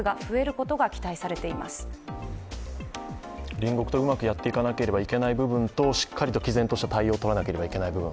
隣国とうまくやっていかなければいけない部分としっかりと毅然とした対応をとらなければいけない部分。